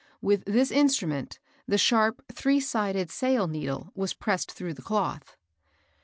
With this instrument the sharp, three sided sail needle was pressed through the cloth.